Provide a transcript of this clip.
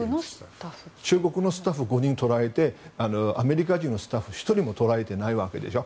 中国のスタッフ５人捕らえてアメリカ人のスタッフ１人も捕らえてないわけでしょ。